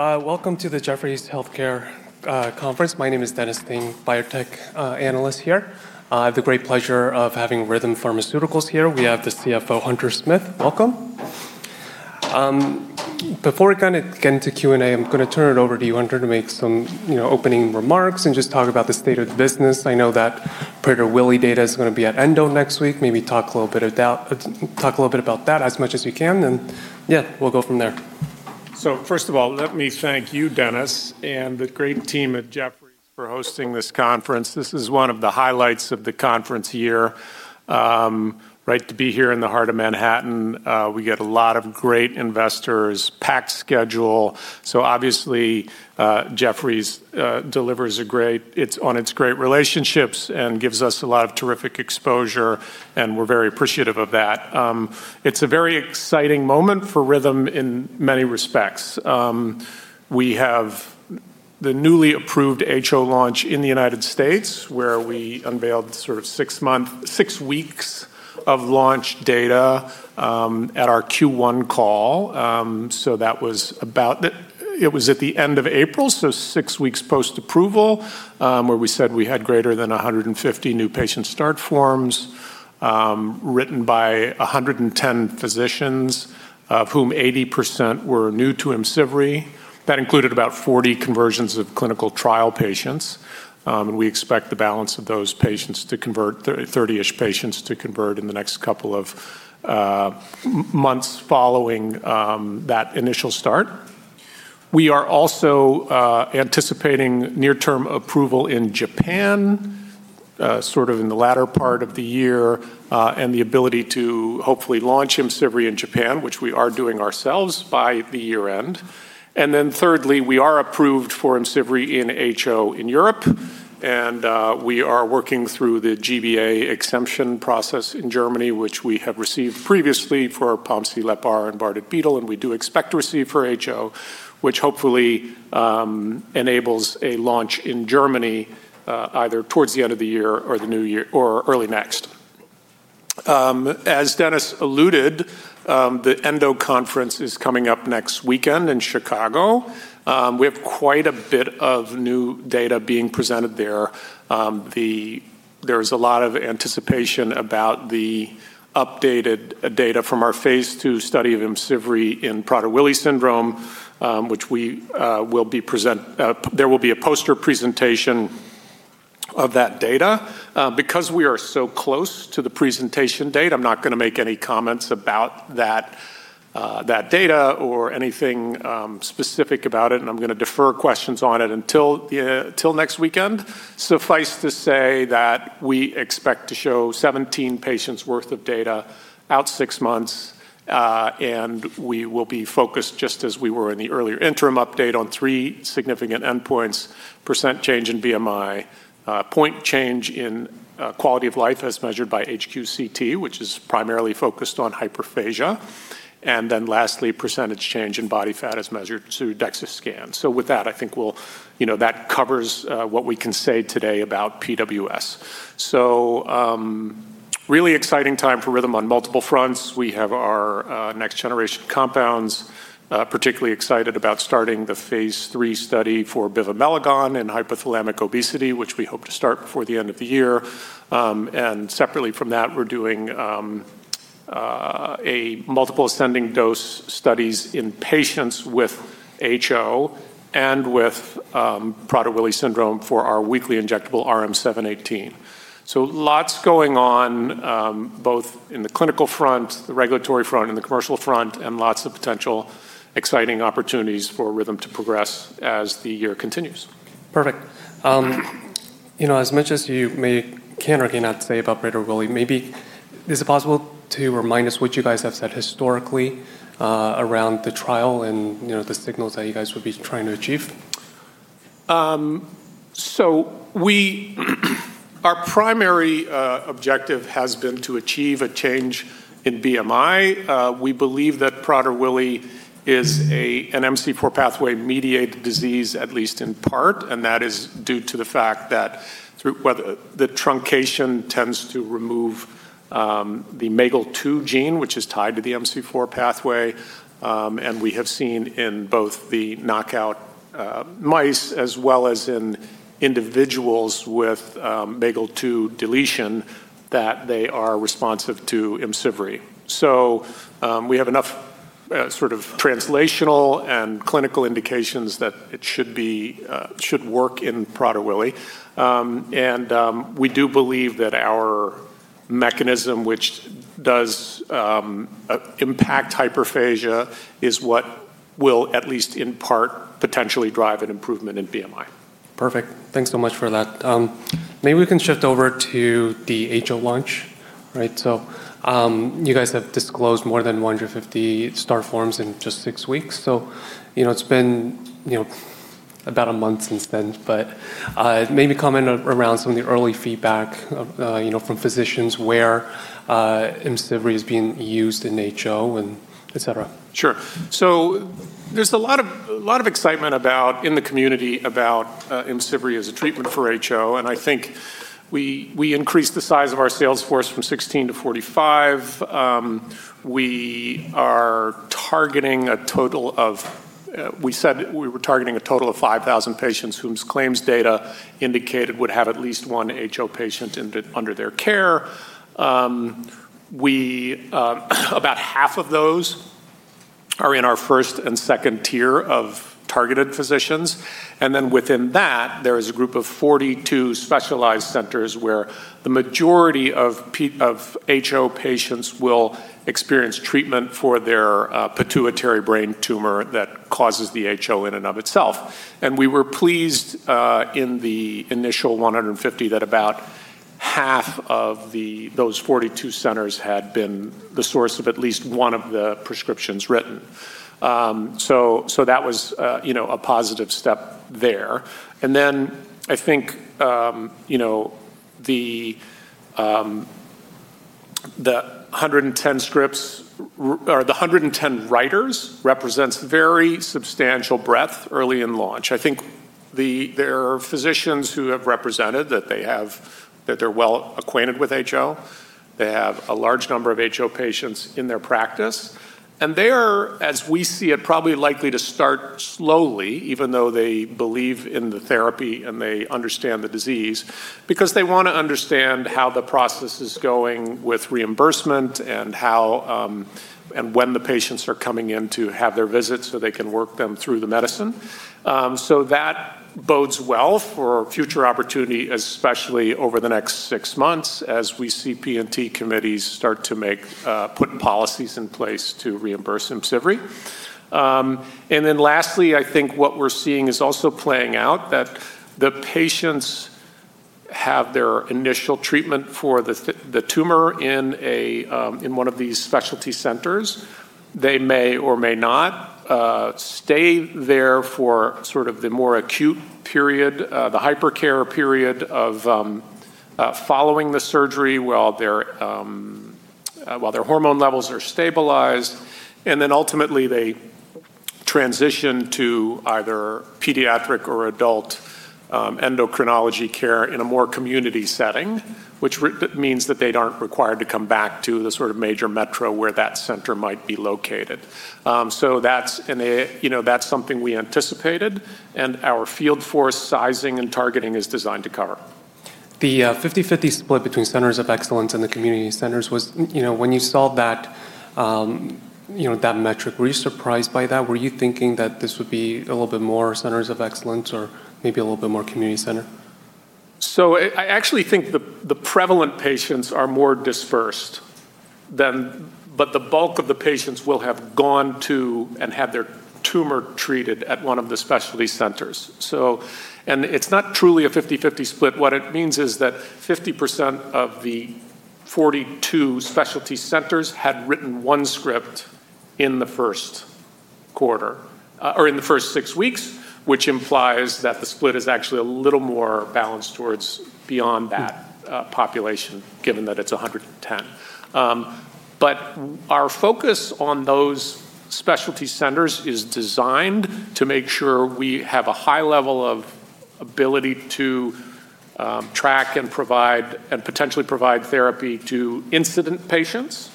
Welcome to the Jefferies Healthcare Conference. My name is Dennis Ping, biotech analyst here. I have the great pleasure of having Rhythm Pharmaceuticals here. We have the CFO, Hunter Smith. Welcome. Before I get into Q&A, I'm going to turn it over to you, Hunter, to make some opening remarks and just talk about the state of the business. I know that Prader-Willi data is going to be at ENDO next week. Maybe talk a little bit about that as much as we can, then we'll go from there. First of all, let me thank you, Dennis, and the great team at Jefferies for hosting this conference. This is one of the highlights of the conference year. To be here in the heart of Manhattan, we get a lot of great investors, packed schedule, obviously Jefferies delivers on its great relationships and gives us a lot of terrific exposure, we're very appreciative of that. It's a very exciting moment for Rhythm in many respects. We have the newly approved HO launch in the United States, where we unveiled six weeks of launch data at our Q1 call. It was at the end of April, six weeks post-approval, where we said we had greater than 150 new patient start forms written by 110 physicians, of whom 80% were new to IMCIVREE. That included about 40 conversions of clinical trial patients. We expect the balance of those patients, 30-ish patients, to convert in the next couple of months following that initial start. We are also anticipating near-term approval in Japan in the latter part of the year, and the ability to hopefully launch IMCIVREE in Japan, which we are doing ourselves, by the year-end. Thirdly, we are approved for IMCIVREE in HO in Europe, and we are working through the G-BA exemption process in Germany, which we have received previously for POMC, LEPR, and Bardet-Biedl, and we do expect to receive for HO, which hopefully enables a launch in Germany either towards the end of the year or early next. As Dennis alluded, the ENDO conference is coming up next weekend in Chicago. We have quite a bit of new data being presented there. There's a lot of anticipation about the updated data from our phase II study of IMCIVREE in Prader-Willi syndrome, which there will be a poster presentation of that data. Because we are so close to the presentation date, I'm not going to make any comments about that data or anything specific about it, and I'm going to defer questions on it until next weekend. Suffice to say that we expect to show 17 patients' worth of data out six months, and we will be focused just as we were in the earlier interim update on three significant endpoints, % change in BMI, point change in quality of life as measured by HQ-CT, which is primarily focused on hyperphagia, and then lastly, % change in body fat as measured through DEXA scan. With that, I think that covers what we can say today about PWS. Really exciting time for Rhythm on multiple fronts. We have our next generation compounds. Particularly excited about starting the phase III study for bivamelagon in hypothalamic obesity, which we hope to start before the end of the year. Separately from that, we're doing a multiple ascending dose studies in patients with HO and with Prader-Willi syndrome for our weekly injectable RM-718. Lots going on both in the clinical front, the regulatory front, and the commercial front, and lots of potential exciting opportunities for Rhythm to progress as the year continues. Perfect. As much as you may can or cannot say about Prader-Willi, maybe is it possible to remind us what you guys have said historically around the trial and the signals that you guys would be trying to achieve? Our primary objective has been to achieve a change in BMI. We believe that Prader-Willi is an MC4 pathway-mediated disease, at least in part, and that is due to the fact that the truncation tends to remove the MAGEL2 gene, which is tied to the MC4 pathway, and we have seen in both the knockout mice as well as in individuals with MAGEL2 deletion that they are responsive to IMCIVREE. We have enough translational and clinical indications that it should work in Prader-Willi. We do believe that our mechanism, which does impact hyperphagia, is what will, at least in part, potentially drive an improvement in BMI. Perfect. Thanks so much for that. Maybe we can shift over to the HO launch. You guys have disclosed more than 150 start forms in just six weeks, so it's been about a month since then, but maybe comment around some of the early feedback from physicians where IMCIVREE is being used in HO and et cetera. Sure. There's a lot of excitement in the community about IMCIVREE as a treatment for HO, and I think we increased the size of our sales force from 16 to 45. We said we were targeting a total of 5,000 patients whose claims data indicated would have at least one HO patient under their care. About half of those are in our first and second tier of targeted physicians, then within that, there is a group of 42 specialized centers where the majority of HO patients will experience treatment for their pituitary brain tumor that causes the HO in and of itself. We were pleased in the initial 150 that about half of those 42 centers had been the source of at least one of the prescriptions written. That was a positive step there. I think the 110 writers represents very substantial breadth early in launch. I think there are physicians who have represented that they're well acquainted with HO. They have a large number of HO patients in their practice, they are, as we see it, probably likely to start slowly, even though they believe in the therapy and they understand the disease, because they want to understand how the process is going with reimbursement and when the patients are coming in to have their visits, so they can work them through the medicine. That bodes well for future opportunity, especially over the next six months, as we see P&T committees start to put policies in place to reimburse IMCIVREE. Lastly, I think what we're seeing is also playing out that the patients have their initial treatment for the tumor in one of these specialty centers. They may or may not stay there for the more acute period, the hypercare period following the surgery while their hormone levels are stabilized, and then ultimately they transition to either pediatric or adult endocrinology care in a more community setting, which means that they aren't required to come back to the major metro where that center might be located. That's something we anticipated, and our field force sizing and targeting is designed to cover. The 50/50 split between centers of excellence and the community centers was, when you saw that metric, were you surprised by that? Were you thinking that this would be a little bit more centers of excellence or maybe a little bit more community center? I actually think the prevalent patients are more dispersed, but the bulk of the patients will have gone to and had their tumor treated at one of the specialty centers. It's not truly a 50/50 split. What it means is that 50% of the 42 specialty centers had written one script in the first quarter or in the first six weeks, which implies that the split is actually a little more balanced towards beyond that population, given that it's 110. Our focus on those specialty centers is designed to make sure we have a high level of ability to track and potentially provide therapy to incident patients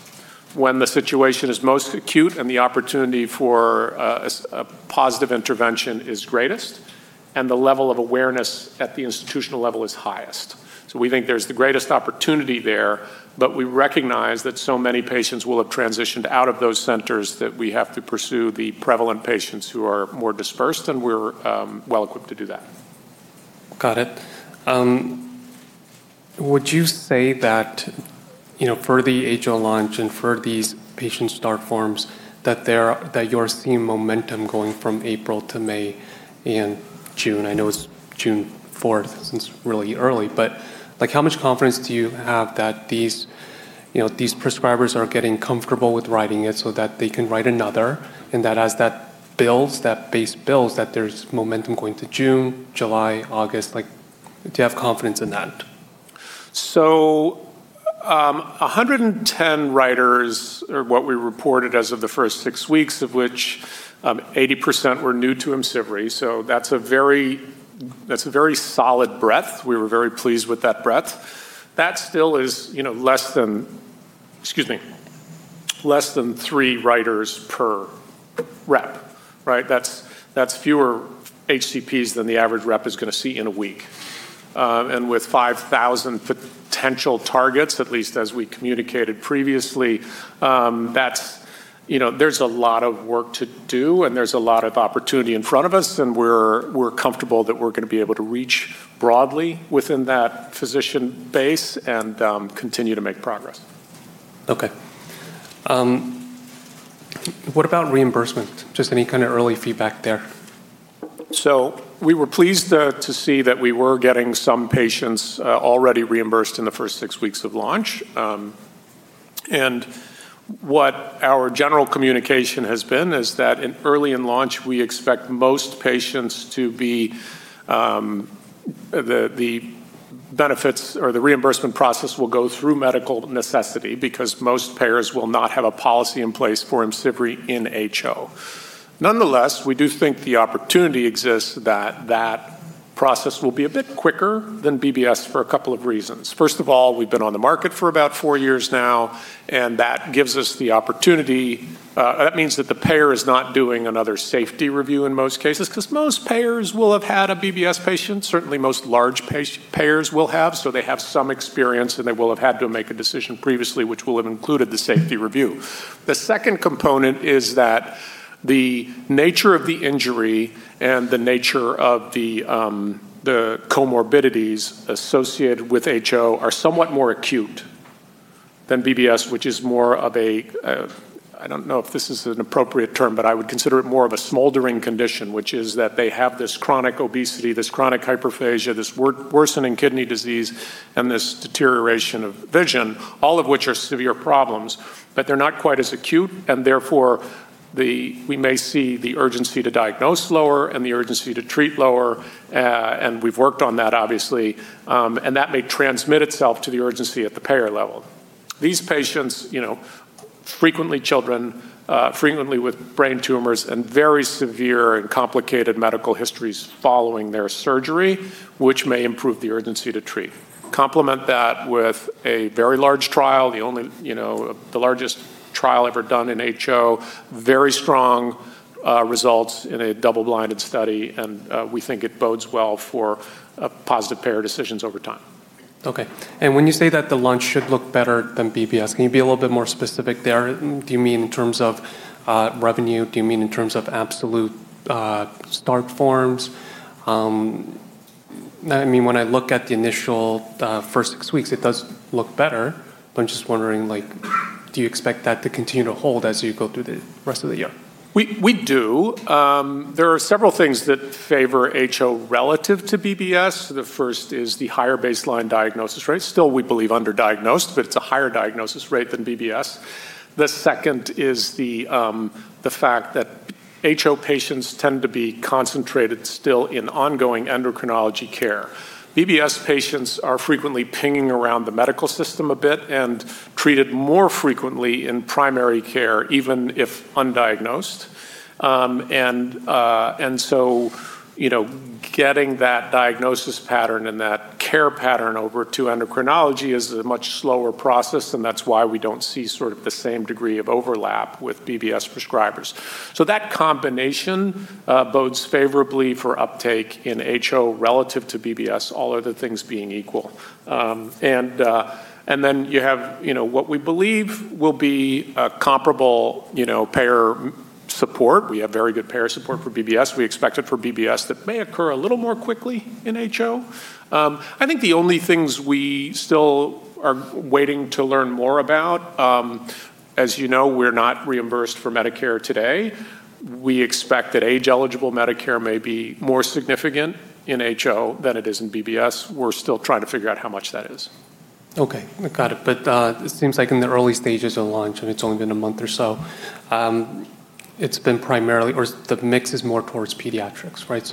when the situation is most acute and the opportunity for a positive intervention is greatest, and the level of awareness at the institutional level is highest. We think there's the greatest opportunity there, but we recognize that so many patients will have transitioned out of those centers that we have to pursue the prevalent patients who are more dispersed, and we're well-equipped to do that. Got it. Would you say that for the HO launch and for these patient start forms, that you're seeing momentum going from April to May and June? I know it's June 4th, so it's really early, but how much confidence do you have that these prescribers are getting comfortable with writing it so that they can write another, and that as that base builds, that there's momentum going to June, July, August? Do you have confidence in that? 110 writers are what we reported as of the first six weeks, of which 80% were new to IMCIVREE. That's a very solid breadth. We were very pleased with that breadth. That still is less than three writers per rep. That's fewer HCPs than the average rep is going to see in a week. With 5,000 potential targets, at least as we communicated previously, there's a lot of work to do, and there's a lot of opportunity in front of us, and we're comfortable that we're going to be able to reach broadly within that physician base and continue to make progress. Okay. What about reimbursement? Just any kind of early feedback there? We were pleased to see that we were getting some patients already reimbursed in the first six weeks of launch. What our general communication has been is that early in launch, we expect most patients the benefits or the reimbursement process will go through medical necessity because most payers will not have a policy in place for IMCIVREE in HO. Nonetheless, we do think the opportunity exists that process will be a bit quicker than BBS for a couple of reasons. First of all, we've been on the market for about four years now, that means that the payer is not doing another safety review in most cases, because most payers will have had a BBS patient. Certainly, most large payers will have, so they have some experience, and they will have had to make a decision previously, which will have included the safety review. The second component is that the nature of the injury and the nature of the comorbidities associated with HO are somewhat more acute than BBS, which is I don't know if this is an appropriate term, but I would consider it more of a smoldering condition, which is that they have this chronic obesity, this chronic hyperphagia, this worsening kidney disease, and this deterioration of vision. All of which are severe problems, but they're not quite as acute, and therefore, we may see the urgency to diagnose lower and the urgency to treat lower. We've worked on that, obviously, and that may transmit itself to the urgency at the payer level. These patients, frequently children, frequently with brain tumors, and very severe and complicated medical histories following their surgery, which may improve the urgency to treat. Complement that with a very large trial, the largest trial ever done in HO. Very strong results in a double-blinded study, we think it bodes well for positive payer decisions over time. Okay. When you say that the launch should look better than BBS, can you be a little bit more specific there? Do you mean in terms of revenue? Do you mean in terms of absolute start forms? When I look at the initial first six weeks, it does look better, I'm just wondering, do you expect that to continue to hold as you go through the rest of the year? We do. There are several things that favor HO relative to BBS. The first is the higher baseline diagnosis rate. Still, we believe, underdiagnosed, but it's a higher diagnosis rate than BBS. The second is the fact that HO patients tend to be concentrated still in ongoing endocrinology care. BBS patients are frequently pinging around the medical system a bit and treated more frequently in primary care, even if undiagnosed. So, getting that diagnosis pattern and that care pattern over to endocrinology is a much slower process, and that's why we don't see the same degree of overlap with BBS prescribers. That combination bodes favorably for uptake in HO relative to BBS, all other things being equal. You have what we believe will be comparable payer support. We have very good payer support for BBS. We expect it for BBS. That may occur a little more quickly in HO. I think the only things we still are waiting to learn more about, as you know, we're not reimbursed for Medicare today. We expect that age-eligible Medicare may be more significant in HO than it is in BBS. We're still trying to figure out how much that is. Okay, got it. It seems like in the early stages of launch, and it's only been a month or so, the mix is more towards pediatrics, right?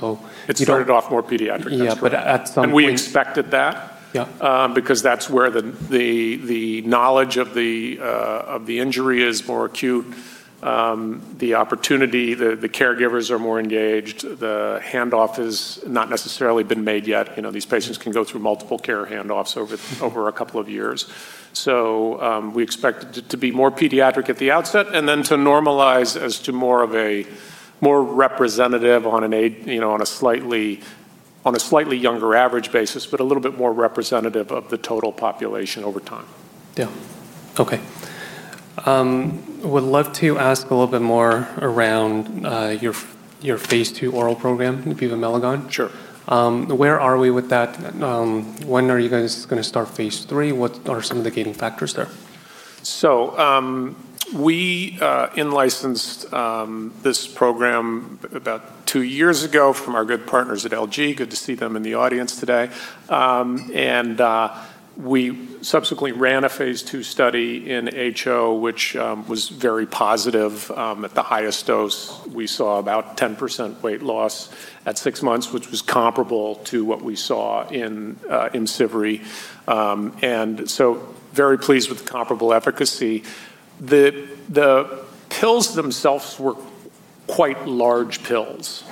It started off more pediatric, that's correct. Yeah, but at some point- And we expected that- Yeah because that's where the knowledge of the injury is more acute. The opportunity, the caregivers are more engaged. The handoff is not necessarily been made yet. These patients can go through multiple care handoffs over a couple of years. We expect it to be more pediatric at the outset, and then to normalize as to more representative on a slightly younger average basis, but a little bit more representative of the total population over time. Yeah. Okay. Would love to ask a little bit more around your phase II oral program, bivamelagon. Sure. Where are we with that? When are you guys going to start phase III? What are some of the gating factors there? We in-licensed this program about two years ago from our good partners at LG. Good to see them in the audience today. We subsequently ran a phase II study in HO, which was very positive. At the highest dose, we saw about 10% weight loss at six months, which was comparable to what we saw in IMCIVREE. Very pleased with the comparable efficacy. The pills themselves were quite large pills,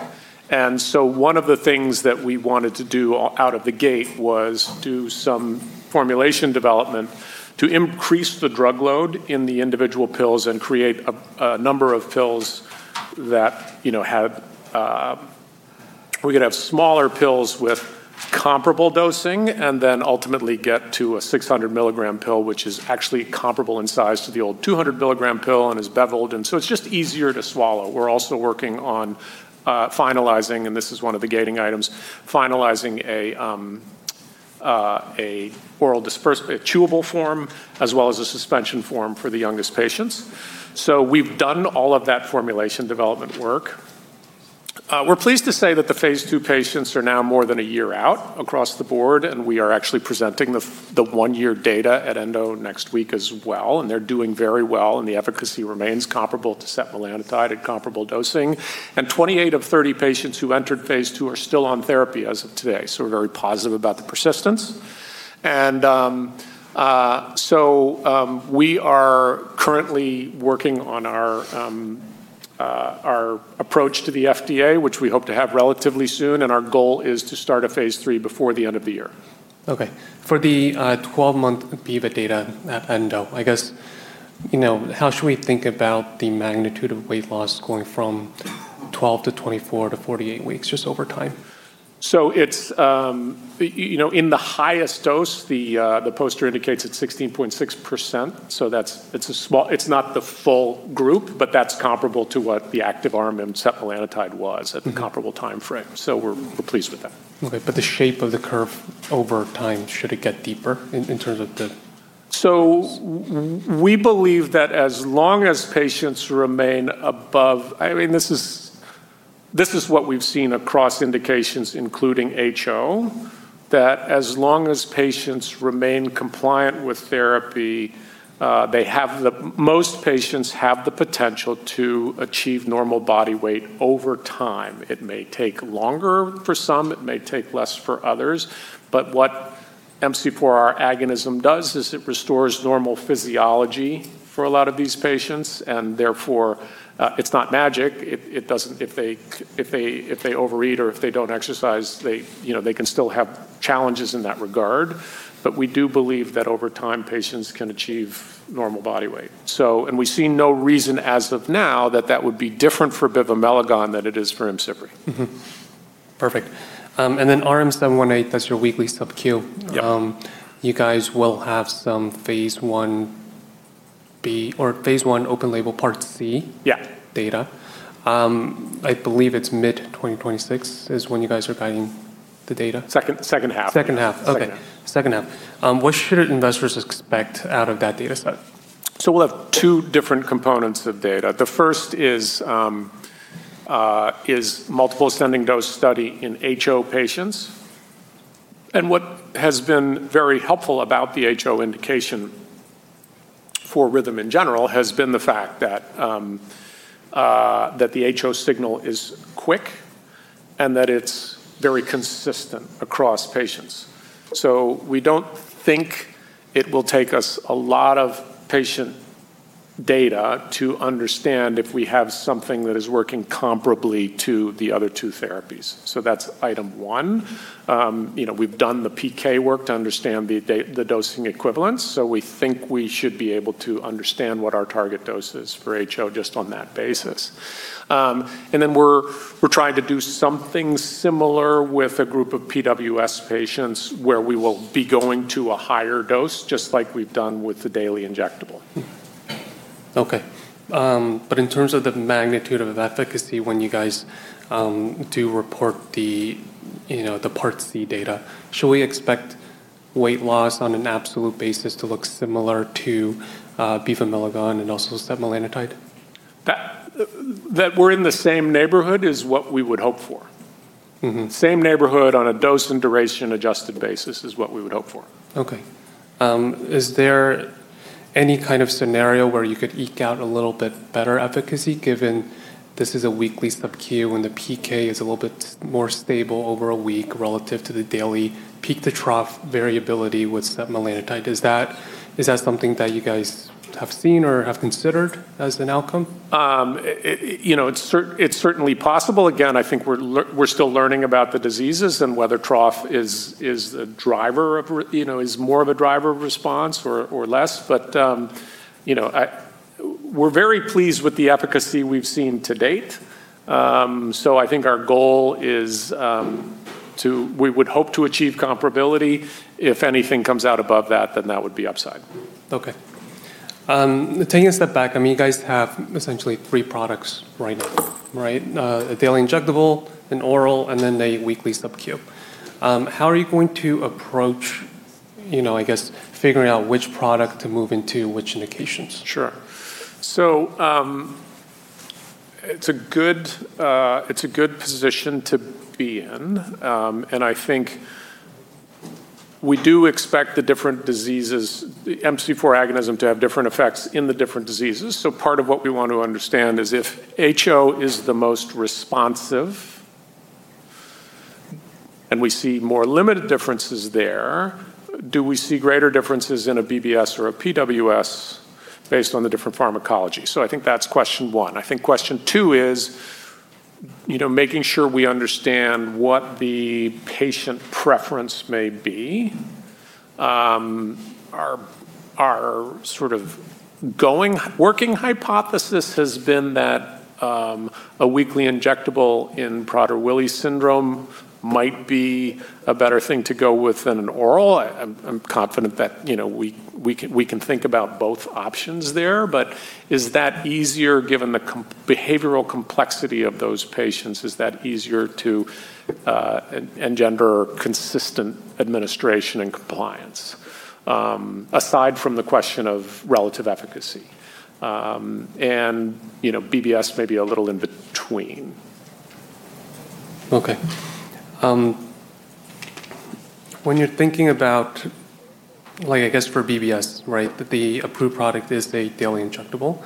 one of the things that we wanted to do out of the gate was do some formulation development to increase the drug load in the individual pills and create a number of pills that we could have smaller pills with comparable dosing, then ultimately get to a 600 milligram pill, which is actually comparable in size to the old 200 milligram pill and is beveled. It's just easier to swallow. We're also working on finalizing, and this is one of the gating items, finalizing a chewable form, as well as a suspension form for the youngest patients. We've done all of that formulation development work. We're pleased to say that the phase II patients are now more than a year out across the board, and we are actually presenting the one-year data at ENDO next week as well, and they're doing very well, and the efficacy remains comparable to setmelanotide at comparable dosing. 28 of 30 patients who entered phase II are still on therapy as of today, so we're very positive about the persistence. We are currently working on our approach to the FDA, which we hope to have relatively soon, and our goal is to start a phase III before the end of the year. Okay. For the 12-month bivamelagon data end, how should we think about the magnitude of weight loss going from 12 to 24 to 48 weeks, just over time? In the highest dose, the poster indicates it's 16.6%, so it's not the full group, but that's comparable to what the active arm in setmelanotide was at the comparable timeframe. We're pleased with that. Okay. The shape of the curve over time, should it get deeper in terms of the. We believe that as long as patients remain above-- This is what we've seen across indications, including HO, that as long as patients remain compliant with therapy, most patients have the potential to achieve normal body weight over time. It may take longer for some, it may take less for others, but what MC4R agonism does is it restores normal physiology for a lot of these patients, and therefore it's not magic. If they overeat or if they don't exercise, they can still have challenges in that regard. We do believe that over time, patients can achieve normal body weight. We see no reason as of now that that would be different for bivamelagon than it is for IMCIVREE. Perfect. Then RM-718, that's your weekly subQ. Yep. You guys will have some phase I-B or phase I open-label Part C- Yeah data. I believe it's mid-2026 is when you guys are guiding the data? Second half. Second half. Yeah. Okay. Second half. What should investors expect out of that data set? We'll have two different components of data. The first is multiple ascending dose study in HO patients. What has been very helpful about the HO indication for Rhythm in general has been the fact that the HO signal is quick and that it's very consistent across patients. We don't think it will take us a lot of patient data to understand if we have something that is working comparably to the other two therapies. That's item one. We've done the PK work to understand the dosing equivalence, so we think we should be able to understand what our target dose is for HO just on that basis. We're trying to do something similar with a group of PWS patients, where we will be going to a higher dose, just like we've done with the daily injectable. Okay. In terms of the magnitude of efficacy when you guys do report the Part C data, should we expect weight loss on an absolute basis to look similar to bivamelagon and also setmelanotide? That we're in the same neighborhood is what we would hope for. Same neighborhood on a dose and duration-adjusted basis is what we would hope for. Is there any kind of scenario where you could eke out a little bit better efficacy, given this is a weekly subQ and the PK is a little bit more stable over a week relative to the daily peak to trough variability with setmelanotide? Is that something that you guys have seen or have considered as an outcome? It's certainly possible. I think we're still learning about the diseases and whether trough is more of a driver of response or less. We're very pleased with the efficacy we've seen to date. I think our goal is we would hope to achieve comparability. If anything comes out above that, then that would be upside. Okay. Taking a step back, you guys have essentially three products right now. Right? A daily injectable, an oral, and then a weekly subQ. How are you going to approach figuring out which product to move into which indications? Sure. It's a good position to be in, and I think we do expect the MC4 agonism to have different effects in the different diseases. Part of what we want to understand is if HO is the most responsive, and we see more limited differences there, do we see greater differences in a BBS or a PWS based on the different pharmacology? I think that's question one. I think question two is making sure we understand what the patient preference may be. Our working hypothesis has been that a weekly injectable in Prader-Willi syndrome might be a better thing to go with than an oral. I'm confident that we can think about both options there. Is that easier given the behavioral complexity of those patients? Is that easier to engender consistent administration and compliance, aside from the question of relative efficacy? BBS may be a little in between. Okay. When you're thinking about, I guess, for BBS, the approved product is the daily injectable.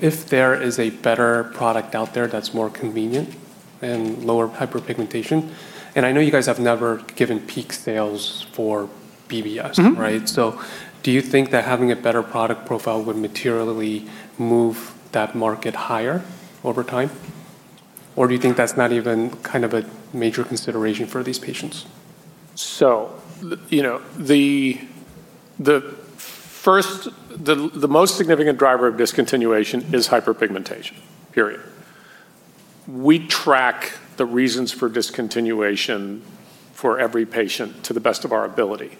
If there is a better product out there that's more convenient and lower hyperpigmentation. I know you guys have never given peak sales for BBS, right? Do you think that having a better product profile would materially move that market higher over time? Do you think that's not even a major consideration for these patients? The most significant driver of discontinuation is hyperpigmentation. We track the reasons for discontinuation for every patient to the best of our ability.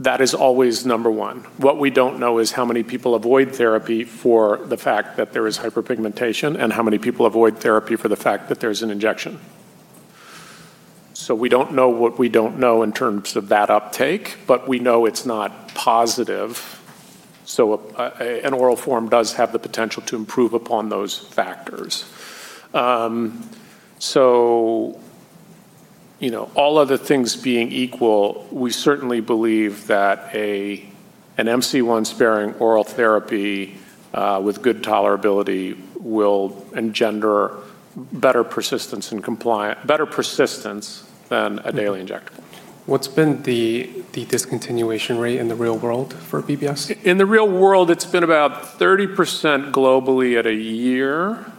That is always number one. What we don't know is how many people avoid therapy for the fact that there is hyperpigmentation and how many people avoid therapy for the fact that there's an injection. We don't know what we don't know in terms of that uptake, but we know it's not positive. An oral form does have the potential to improve upon those factors. All other things being equal, we certainly believe that an MC1-sparing oral therapy, with good tolerability will engender better persistence than a daily injectable. What's been the discontinuation rate in the real world for BBS? In the real world, it's been about 30% globally at a year,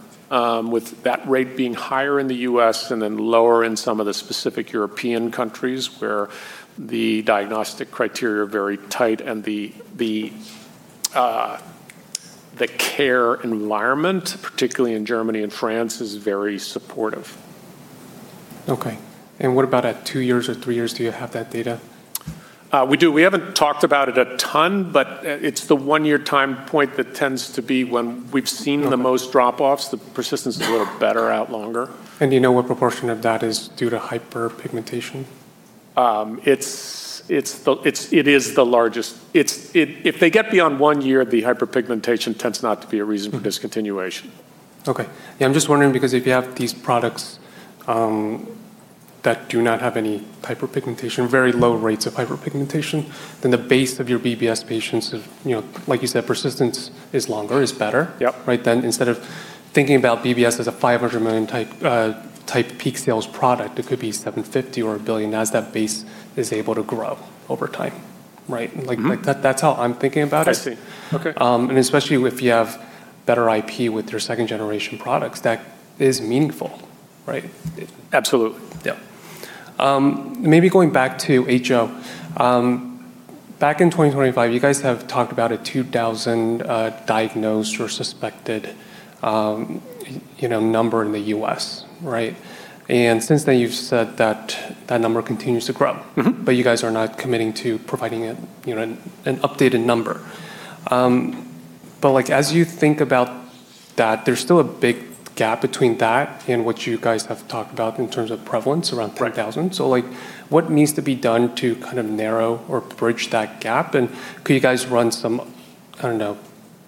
with that rate being higher in the U.S. and then lower in some of the specific European countries where the diagnostic criteria are very tight and the care environment, particularly in Germany and France, is very supportive. Okay. What about at two years or three years? Do you have that data? We do. We haven't talked about it a ton, but it's the one-year time point that tends to be when we've seen the most drop-offs. The persistence is a little better out longer. Do you know what proportion of that is due to hyperpigmentation? If they get beyond one year, the hyperpigmentation tends not to be a reason for discontinuation. Yeah, I'm just wondering because if you have these products, that do not have any hyperpigmentation, very low rates of hyperpigmentation, then the base of your BBS patients, like you said, persistence is longer, is better. Yep. Instead of thinking about BBS as a $500 million type peak sales product, it could be $750 or $1 billion as that base is able to grow over time. Right? That's how I'm thinking about it. I see. Okay. Especially if you have better IP with your second-generation products, that is meaningful, right? Absolutely. Yeah. Maybe going back to HO. Back in 2025, you guys have talked about a 2,000 diagnosed or suspected number in the U.S. Right? Since then, you've said that that number continues to grow. You guys are not committing to providing an updated number. As you think about that, there's still a big gap between that and what you guys have talked about in terms of prevalence around 3,000. Right. What needs to be done to narrow or bridge that gap? And could you guys run some, I don't know,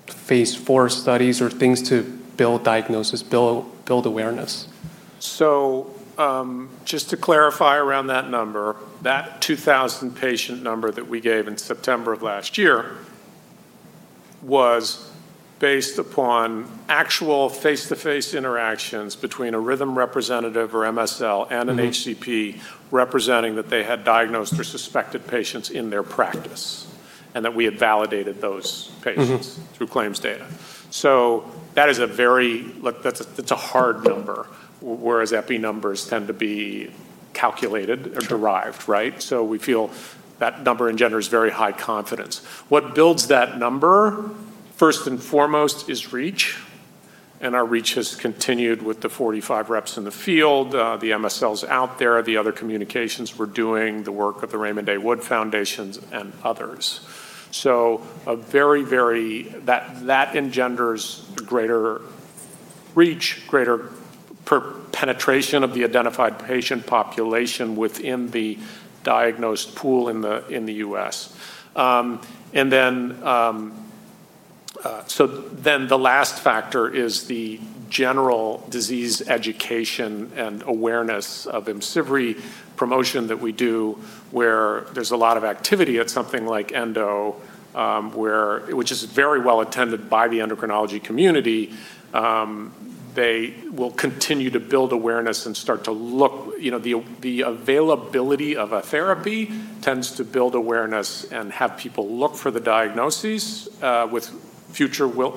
phase IV studies or things to build diagnosis, build awareness? Just to clarify around that number, that 2,000 patient number that we gave in September of last year was based upon actual face-to-face interactions between a Rhythm representative or MSL and an HCP representing that they had diagnosed or suspected patients in their practice, and that we had validated those patients. through claims data. That's a hard number, whereas EPI numbers tend to be calculated or derived, right? We feel that number engenders very high confidence. What builds that number, first and foremost, is reach, and our reach has continued with the 45 reps in the field, the MSLs out there, the other communications we're doing, the work of the Raymond A. Wood Foundation and others. That engenders greater reach, greater penetration of the identified patient population within the diagnosed pool in the U.S. Then the last factor is the general disease education and awareness of IMCIVREE promotion that we do, where there's a lot of activity at something like ENDO, which is very well attended by the endocrinology community. The availability of a therapy tends to build awareness and have people look for the diagnoses,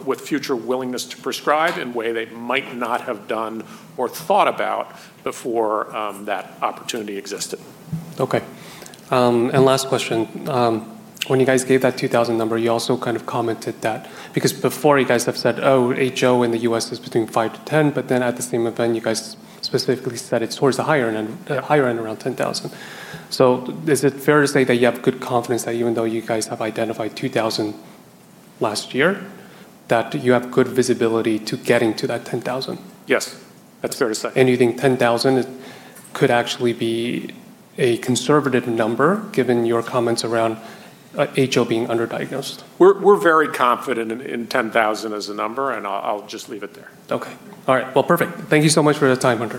with future willingness to prescribe in a way they might not have done or thought about before that opportunity existed. Okay. Last question. When you guys gave that 2,000 number, you also kind of commented that Because before you guys have said, "Oh, HO in the U.S. is between 5,000-10,000," but then at the same event, you guys specifically said it's towards the higher end, around 10,000. Is it fair to say that you have good confidence that even though you guys have identified 2,000 last year, that you have good visibility to getting to that 10,000? Yes. That's fair to say. You think 10,000 could actually be a conservative number given your comments around HO being underdiagnosed? We're very confident in 10,000 as a number, and I'll just leave it there. Okay. All right. Well, perfect. Thank you so much for the time, Hunter